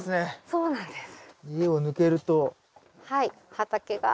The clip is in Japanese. そうなんですよ。